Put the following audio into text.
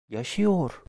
Yaşıyor!